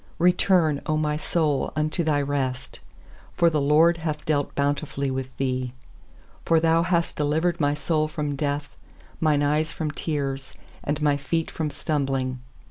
7Return, O my soul, unto thy rest; For the LORD hath dealt bountifully with thee. 8For Thou hast delivered my soul from death, Mine eyes from tears, And my feet from stumbling.